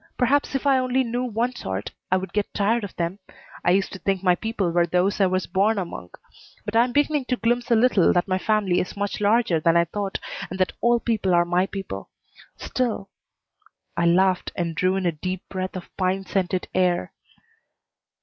Perhaps if I only knew one sort I would get tired of them. I used to think my people were those I was born among, but I'm beginning to glimpse a little that my family is much larger than I thought, and that all people are my people. Still " I laughed and drew in a deep breath of pine scented air.